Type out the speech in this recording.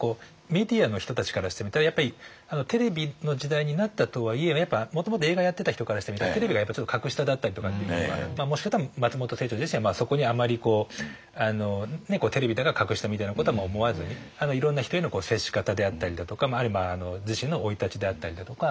メディアの人たちからしてみたらやっぱりテレビの時代になったとはいえやっぱもともと映画やってた人からしてみたらテレビがやっぱちょっと格下だったりとかっていうことがもしかしたら松本清張自身はそこにあまりこうテレビだから格下みたいなことは思わずにいろんな人への接し方であったりだとか自身の生い立ちであったりだとか。